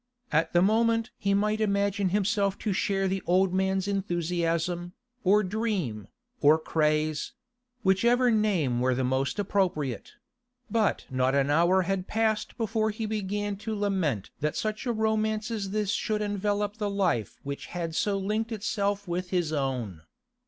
At the moment he might imagine himself to share the old man's enthusiasm, or dream, or craze—whichever name were the most appropriate—but not an hour had passed before he began to lament that such a romance as this should envelop the life which had so linked itself with his own.